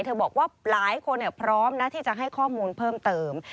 บอกว่าหลายคนพร้อมนะที่จะให้ข้อมูลเพิ่มเติม